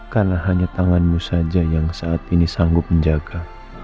karena hanya tanganmu saja yang saat ini sanggup menjaga